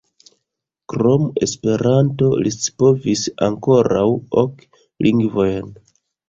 Krom Esperanto li scipovis ankoraŭ ok lingvojn.